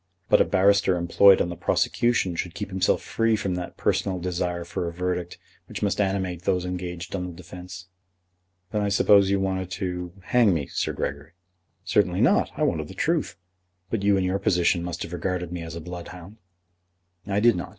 But a barrister employed on the prosecution should keep himself free from that personal desire for a verdict which must animate those engaged on the defence." "Then I suppose you wanted to hang me, Sir Gregory." "Certainly not. I wanted the truth. But you in your position must have regarded me as a bloodhound." "I did not.